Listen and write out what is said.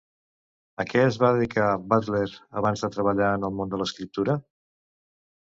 A què es va dedicar Butler abans de treballar en el món de l'escriptura?